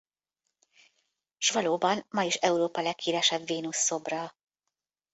S valóban ma is Európa leghíresebb Vénusz-szobra.